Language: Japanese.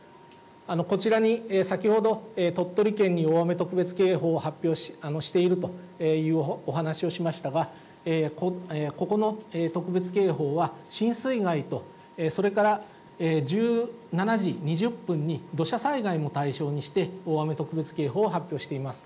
こちらに先ほど鳥取県に大雨特別警報を発表しているというお話をしましたが、ここの特別警報は、浸水害と、それから１７時２０分に土砂災害を対象にして、大雨特別警報を発表しています。